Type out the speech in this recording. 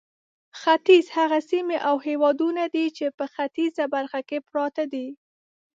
ختیځ هغه سیمې او هېوادونه دي چې په ختیځه برخه کې پراته دي.